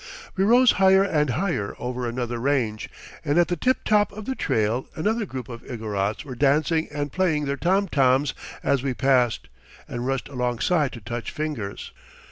We rose higher and higher over another range, and at the tip top of the trail another group of Igorots were dancing and playing their tom toms as we passed, and rushed alongside to touch fingers.